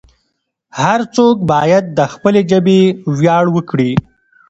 هر څوک باید د خپلې ژبې ویاړ وکړي.